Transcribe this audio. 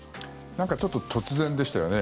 なんかちょっと突然でしたよね。